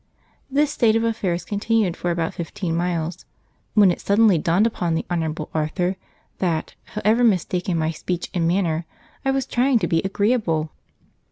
This state of affairs continued for about fifteen miles, when it suddenly dawned upon the Honourable Arthur that, however mistaken my speech and manner, I was trying to be agreeable.